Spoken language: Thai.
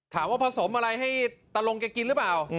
ถามว่าผสมอะไรให้ตลงแกกินหรือเปล่า